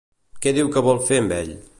Què diu que vol fer amb ell?